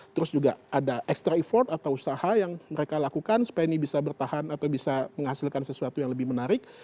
terus juga ada extra effort atau usaha yang mereka lakukan supaya ini bisa bertahan atau bisa menghasilkan sesuatu yang lebih menarik